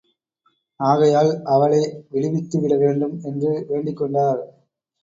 ஆகையால், அவளை விடுவித்து விட வேண்டும் என்று வேண்டிக் கொண்டார்.